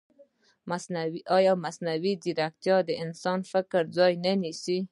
ایا مصنوعي ځیرکتیا د انسان د فکر ځای نه نیسي؟